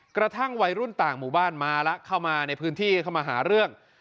กระทั่งวัยรุ่นต่างหมู่บ้านมาแล้วเข้ามาในพื้นที่เข้ามาหาเรื่อง